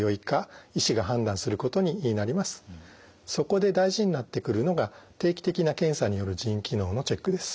そこで大事になってくるのが定期的な検査による腎機能のチェックです。